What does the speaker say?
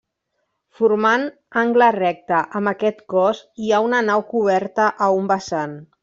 Formant angle recte amb aquest cos hi ha una nau coberta a un vessant.